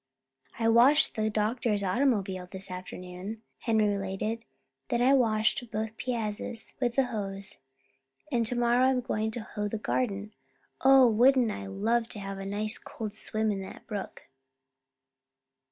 "I washed the doctor's automobile this afternoon," Henry related. "Then I washed both piazzas with the hose, and tomorrow I'm going to hoe in the garden. Oh, wouldn't I love to have a nice cold swim in that brook!"